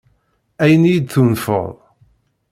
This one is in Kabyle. Ayen i yi-tunfeḍ?